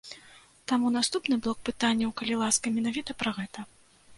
Таму наступны блок пытанняў, калі ласка, менавіта пра гэта.